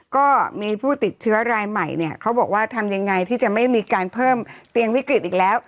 ก็มีผู้ติดเชื้อรายใหม่เนี่ยเขาบอกว่าทำยังไงที่จะไม่มีการเพิ่มเตียงวิกฤตอีกแล้ว